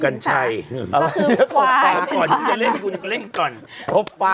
ก็คือควายเป็นผ่านนั่งมาบนหนุ่มกันชัย